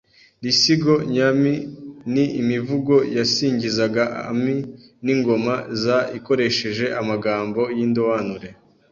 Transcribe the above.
Iisigo nyami ni imivugo yasingizaga ami n’ingoma za ikoresheje amagamo y’indoanure